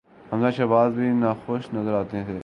حمزہ شہباز بھی ناخوش نظر آتے تھے۔